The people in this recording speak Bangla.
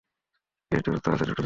বেশ দূরত্ব আছে দুটো জোনে।